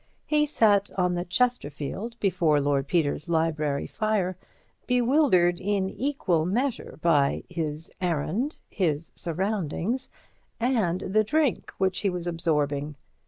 He sat on the Chesterfield before Lord Peter's library fire, bewildered in equal measure by his errand, his surroundings and the drink which he was absorbing.